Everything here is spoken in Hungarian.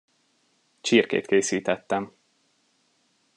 Csirkét készítettem.